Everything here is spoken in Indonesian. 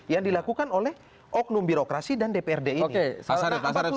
yang dilakukan oleh oknum birokrasi dan dprd ini